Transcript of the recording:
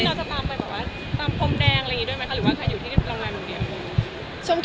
ตามพรมแดงอะไรอย่างนี้ด้วยไหมคะ